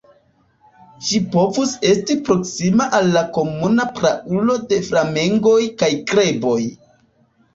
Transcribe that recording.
Ĝi povus esti proksima al la komuna praulo de flamengoj kaj greboj.